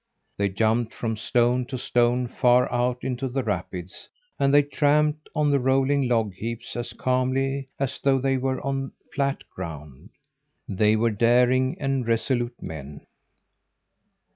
They jumped from stone to stone far out into the rapids, and they tramped on the rolling log heaps as calmly as though they were on flat ground. They were daring and resolute men.